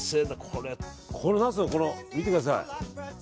これ、見てください。